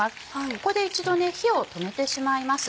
ここで一度火を止めてしまいます。